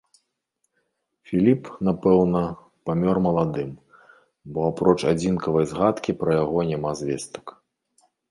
Філіп, напэўна, памёр маладым, бо апроч адзінкавай згадкі пра яго няма звестак.